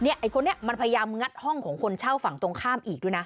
ไอ้คนนี้มันพยายามงัดห้องของคนเช่าฝั่งตรงข้ามอีกด้วยนะ